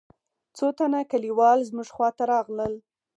څو تنه كليوال زموږ خوا ته راغلل.